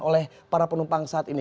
oleh para penumpang saat ini